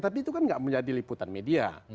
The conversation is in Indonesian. tapi itu kan tidak menjadi liputan media